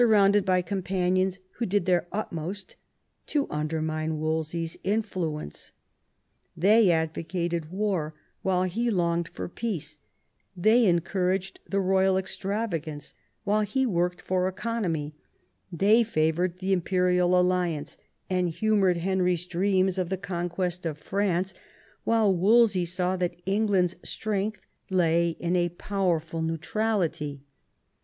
rounded by companions who did their utmost to under mine Wolsey's influence. They advocated war, while he longed for peace; they encouraged the royal extrava gance, while he worked for economy ; they favoured the imperial alliance and humoured Henry's dreams of the conquest of France, while Wolsey saw that England's strength lay in a powerful neutrality.